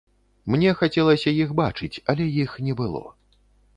Мне хацелася іх бачыць, але іх не было.